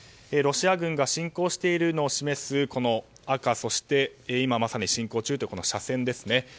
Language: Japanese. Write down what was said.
ロシア軍が侵攻しているのを示す赤、そして今まさに侵攻中というのが斜線ですね。